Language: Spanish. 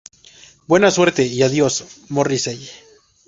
Buena suerte y adiós, Morrissey".